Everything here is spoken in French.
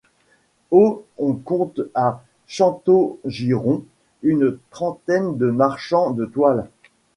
Au on compte à Châteaugiron une trentaine de marchands de toile.